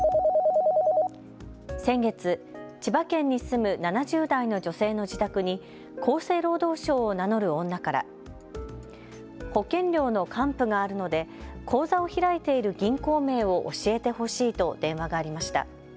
先月、千葉県に住む７０代の女性の自宅に厚生労働省を名乗る女から保険料の還付があるので口座を開いている銀行名を教えてほしいと電話がありました。